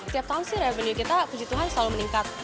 tiap tahun sih revenue kita puji tuhan selalu meningkat